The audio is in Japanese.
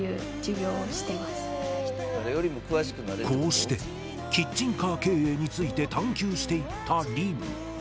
こうしてキッチンカー経営について探究していったりん。